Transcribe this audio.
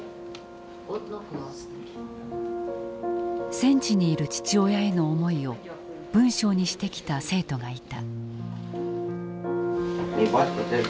戦地にいる父親への思いを文章にしてきた生徒がいた。